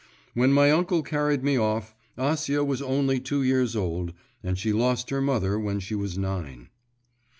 When my uncle carried me off, Acia was only two years old, and she lost her mother when she was nine.